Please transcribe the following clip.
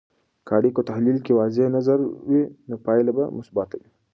که د اړیکو تحلیل کې واضح نظر وي، نو پایله به مثبته وي.